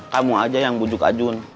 kamu aja yang bujuk ajun